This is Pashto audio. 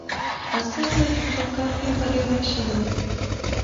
استازی په خپل کار کې بریالی شوی.